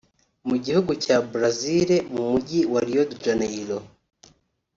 mu gihugu cya Brazil mu mujyi wa Rio de Janeiro